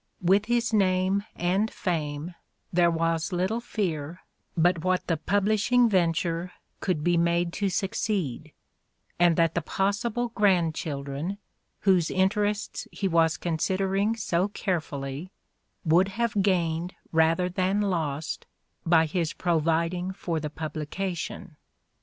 With his name and fame there was little fear but what the publishing venture could be made to succeed, and that the possible grandchildren, whose interests he was considering so carefully, would have gained rather than lost by his providing for the publication.